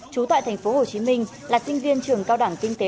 trú tại thành phố hồ chí minh là sinh viên trường cao đẳng kinh tế